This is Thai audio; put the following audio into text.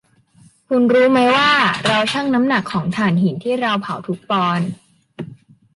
คุณรู้มั้ยว่าเราชั่งน้ำหนักของถ่านหินที่เราเผาทุกปอนด์